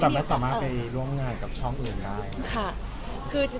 แต่ไม่สามารถไปร่วมงานกับช่องอื่นได้ค่ะ